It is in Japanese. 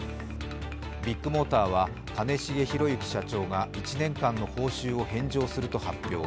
ビッグモーターは兼重宏行社長が１年間の報酬を返上すると発表